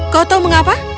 kau tahu mengapa